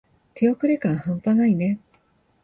手遅れ感はんぱないね。